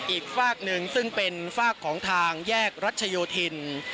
อีกฝากหนึ่งซึ่งเป็นฝากของทางแยกรัชโยธิน